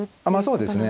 そうですね。